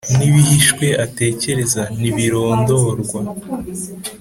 N ibihishwe atekereza ntibirondorwa